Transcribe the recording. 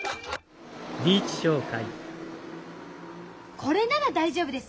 これなら大丈夫です。